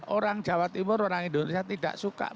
orang jawa timur orang indonesia tidak suka